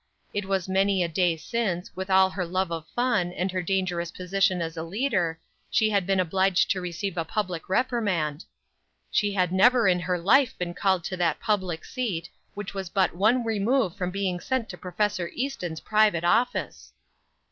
It was many a day since, with all her love of fun, and her dangerous position as a leader, she had been obliged to receive a public reprimand; she had never in her life been called to that public seat, which was but one remove from being sent to Prof. Easton's private office!